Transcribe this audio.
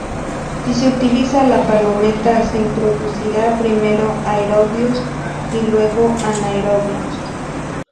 Si se utiliza la palometa se introducirá primero aerobios y luego anaerobios.